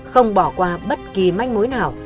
không bỏ qua bất kỳ manh mối nào